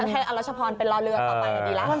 ให้อรัชพรเป็นรอเรือต่อไปดีแล้ว